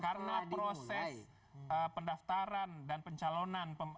karena proses pendaftaran dan pencalonan